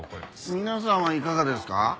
皆さんはいかがですか？